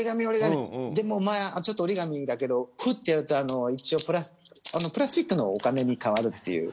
ちょっと折り紙だけどふってやるとプラスチックのお金に変わるっていう。